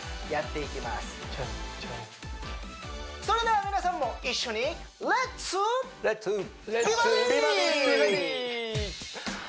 それでは皆さんも一緒にレッツレッツフー！